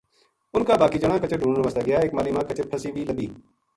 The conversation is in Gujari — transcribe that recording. اُنھ کا باقی جنا کچر ڈھُونڈن واسطے گیا ایک ماہلی ما کچر پھَسی وی لبھی